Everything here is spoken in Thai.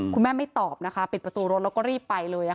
คุณแม่ไม่ตอบนะคะปิดประตูรถแล้วก็รีบไปเลย